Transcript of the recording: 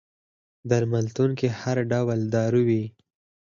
درملتون کي هر ډول دارو وي